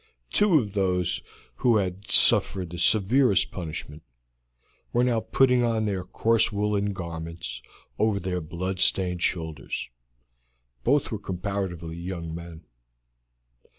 Two of those who had suffered the severest punishment were now putting on their coarse woolen garments over their bloodstained shoulders; both were comparatively young men.